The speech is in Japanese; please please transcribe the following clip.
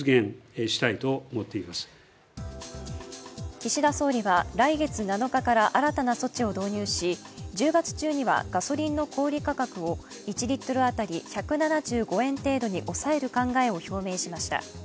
岸田総理は来月７日から新たな措置を導入し１０月中にはガソリンの小売価格を１リットル当たり１５７円程度に抑える考えを表明しました。